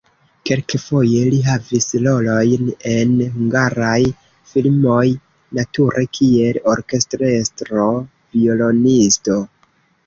Kelkfoje li havis rolojn en hungaraj filmoj, nature kiel orkestrestro-violonisto.